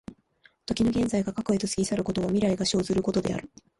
時の現在が過去へと過ぎ去ることは、未来が生ずることである。